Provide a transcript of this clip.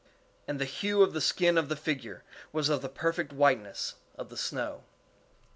And the hue of the skin of the figure was of the perfect whiteness of the snow.